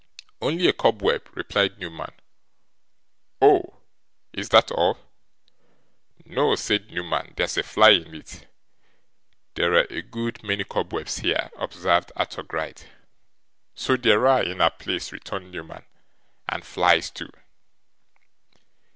'Only a cobweb,' replied Newman. 'Oh! is that all?' 'No,' said Newman. 'There's a fly in it.' 'There are a good many cobwebs here,' observed Arthur Gride. 'So there are in our place,' returned Newman; 'and flies too.